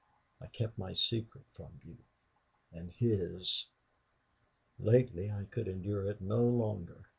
I kept my secret from you and his!... Lately I could endure it no longer.